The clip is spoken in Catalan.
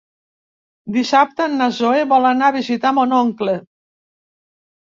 Dissabte na Zoè vol anar a visitar mon oncle.